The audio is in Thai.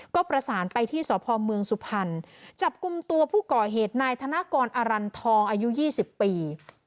ก็ประสานไปที่สพเมืองสุพรรณจับกลุ่มตัวผู้ก่อเหตุนายธนกรอรันทองอายุ๒๐ปี